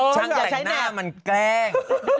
ช่างแต่งหน้ามันแกล้ง